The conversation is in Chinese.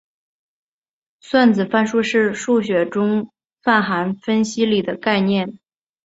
算子范数是数学中泛函分析里的概念。